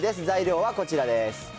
材料はこちらです。